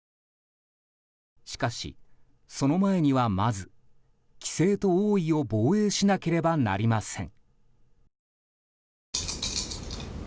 しかし、その前にはまず棋聖と王位を防衛しなければなりません。